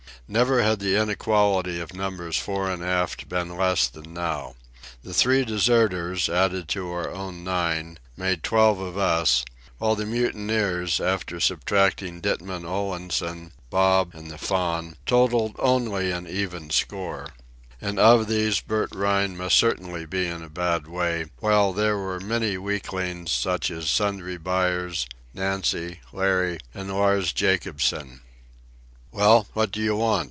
Never had the inequality of numbers fore and aft been less than now. The three deserters, added to our own nine, made twelve of us, while the mutineers, after subtracting Ditman Olansen, Bob and the Faun, totalled only an even score. And of these Bert Rhine must certainly be in a bad way, while there were many weaklings, such as Sundry Buyers, Nancy, Larry, and Lars Jacobsen. "Well, what do you want?"